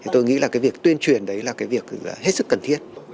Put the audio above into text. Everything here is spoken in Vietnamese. tôi nghĩ việc tuyên truyền đấy là việc hết sức cần thiết